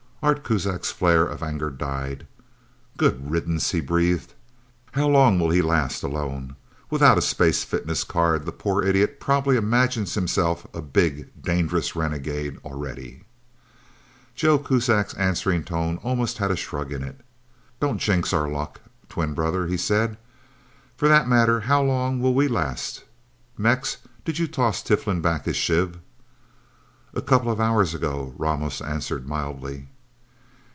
Art Kuzak's flare of anger died. "Good riddance," he breathed. "How long will he last, alone? Without a space fitness card, the poor idiot probably imagines himself a big, dangerous renegade, already." Joe Kuzak's answering tone almost had a shrug in it. "Don't jinx our luck, twin brother," he said. "For that matter, how long will we last...? Mex, did you toss Tiflin back his shiv?" "A couple of hours ago," Ramos answered mildly.